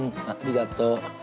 ありがとう。